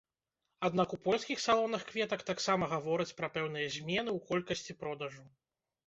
Аднак у польскіх салонах кветак таксама гавораць пра пэўныя змены ў колькасці продажу.